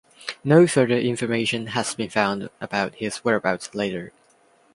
No further information has been found about his whereabouts later.